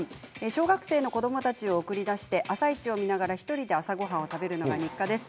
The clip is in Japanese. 小学生の子どもたちを送り出して「あさイチ」を見ながら１人で朝ごはんを食べるのが日課です。